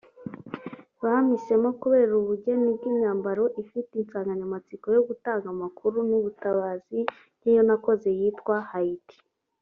Bampisemo kubera ubugeni bw’imyambaro ifite insanganyamatsiko yo gutanga amakuru n’ubutabazi nk’iyo nakoze yitwa Haiti